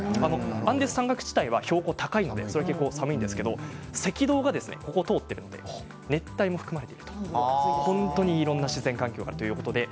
アンデス山岳地帯は標高が高いので寒いんですが赤道は通っているので熱帯も含まれているといういろんな自然環境があります。